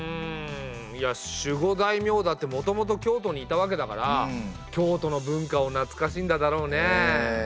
いや守護大名だってもともと京都にいたわけだから京都の文化をなつかしんだだろうね。